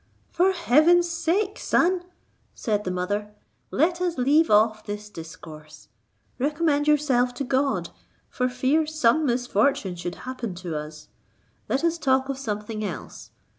"For heaven's sake, son," said the mother, "let us leave off this discourse; recommend yourself to God, for fear some misfortune should happen to us; let us talk of something else.